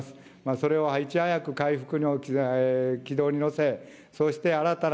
それをいち早く回復の軌道に乗せ、そして新たな